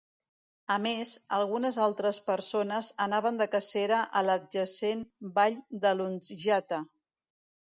A més, algunes altres persones anaven de cacera a l'adjacent vall de Lunzjata.